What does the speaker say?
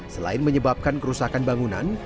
selain menyebabkan kerusakan bangunan